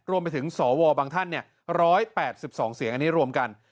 รวมไปถึงสวบางท่าน๑๘๒เสียงอันนี้รวมกัน